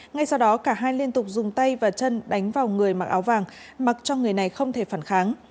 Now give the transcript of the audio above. ngay sau đó cả hai liên tục dùng tay và chân đánh vào người mặc áo vàng mặc cho người này không thể phản kháng